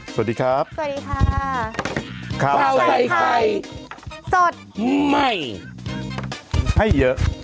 สวัสดีครับสวัสดีค่ะข้าวใส่ไข่สดใหม่ให้เยอะ